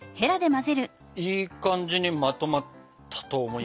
いい感じにまとまったと思います。